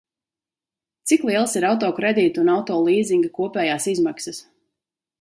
Cik lielas ir auto kredīta un auto līzinga kopējās izmaksas?